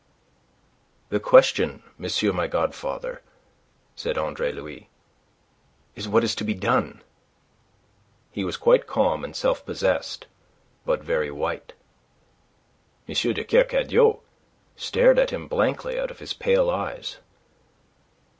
"The question, monsieur my godfather," said Andre Louis, "is what is to be done." He was quite calm and self possessed, but very white. M. de Kercadiou stared at him blankly out of his pale eyes.